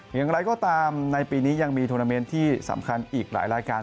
อย่างไรก็ตามในปีนี้ยังมีทวนาเมนต์ที่สำคัญอีกหลายรายการ